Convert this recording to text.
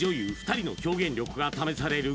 ２人の表現力が試される